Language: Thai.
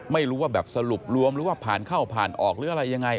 ไม่รู้ว่าแบบสรุปรวมหรือว่าผ่านเข้าผ่านออกหรืออะไรยังไง